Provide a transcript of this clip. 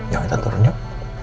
ya kita turun yuk